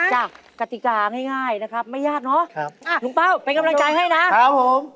จากกติกาง่ายนะครับไม่ยากเนอะลุงเป้าเป็นกำลังใจให้นะครับผม